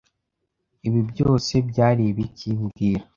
Ibi byose byari ibiki mbwira